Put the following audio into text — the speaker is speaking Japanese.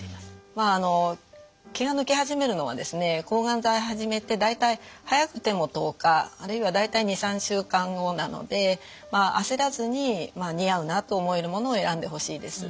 まああの毛が抜け始めるのはですね抗がん剤始めて大体早くても１０日あるいは大体２３週間後なのであせらずに似合うなと思えるものを選んでほしいです。